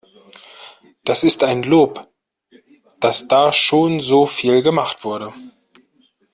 Das ist ein Lob, dass da schon so viel gemacht wurde.